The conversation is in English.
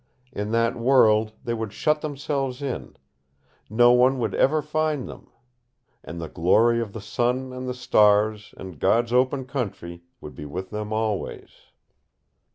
In that world they would shut themselves in. No one would ever find them. And the glory of the sun and the stars and God's open country would be with them always.